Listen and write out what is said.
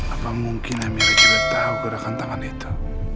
apa mungkin amerika juga tahu gerakan tangan itu